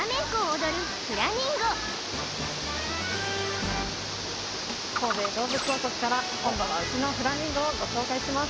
どうぶつ王国から今度はうちのフラミンゴをご紹介します